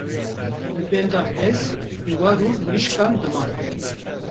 li benda pez, dewar û mirîşkan diman.